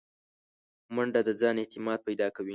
منډه د ځان اعتماد پیدا کوي